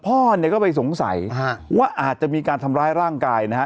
พ่อเนี่ยก็ไปสงสัยว่าอาจจะมีการทำร้ายร่างกายนะฮะ